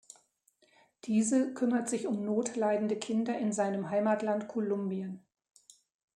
Diese kümmert sich um notleidende Kinder in seinem Heimatland Kolumbien.